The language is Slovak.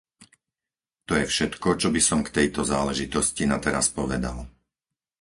To je všetko, čo by som k tejto záležitosti nateraz povedal.